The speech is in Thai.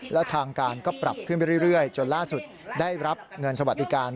แล้วทางการก็ปรับขึ้นไปเรื่อยจนล่าสุดได้รับเงินสวัสดิการ